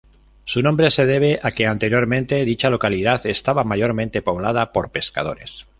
Su nombre se debe a que anteriormente dicha localidad estaba mayormente poblada por pescadores.